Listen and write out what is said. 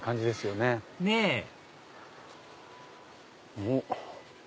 ねぇおっ。